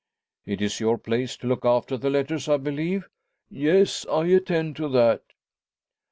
"It is your place to look after the letters, I believe?" "Yes; I attend to that."